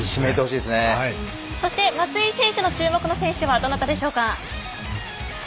そして松井選手の注目の選手はどなたでしょうか？